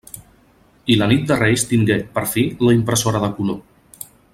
I la nit de Reis tingué, per fi!, la impressora de color.